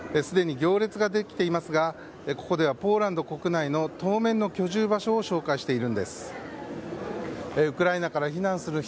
すでに行列ができていますがここではポーランド国内の当面の居住場所を紹介しているんです。